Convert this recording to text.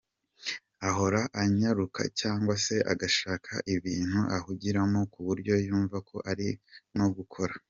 Ahora anyaruka cyangwa se agashaka ibintu ahugiramo ku buryo yumva ko arimo gukora.